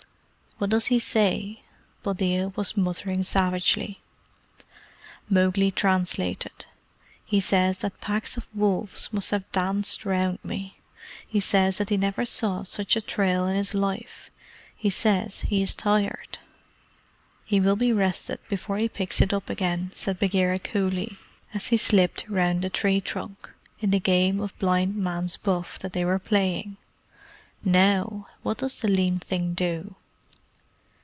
What does he say?" Buldeo was muttering savagely. Mowgli translated. "He says that packs of wolves must have danced round me. He says that he never saw such a trail in his life. He says he is tired." "He will be rested before he picks it up again," said Bagheera coolly, as he slipped round a tree trunk, in the game of blindman's buff that they were playing. "NOW, what does the lean thing do?"